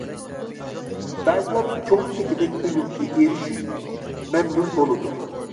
بەزىلەر كۆڭلىدىكىدەك ئۈنۈمگە ئېرىشىپ، مەمنۇن بولىدۇ.